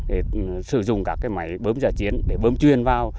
để sử dụng các cái máy bơm giả chiến để bơm chuyên vào